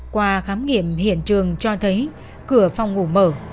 qua khám nghiệm hiện trường cho thấy cửa phòng ngủ mở